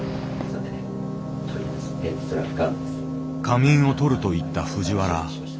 仮眠をとると言った藤原。